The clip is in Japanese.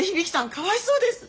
かわいそうです。